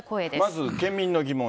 まず県民の疑問